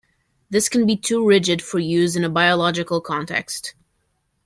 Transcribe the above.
This can be too rigid for use in a biological context.